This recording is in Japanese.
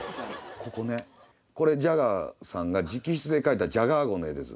ここねこれジャガーさんが直筆で描いたジャガー号の絵です。